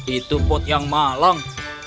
itu pot yang malang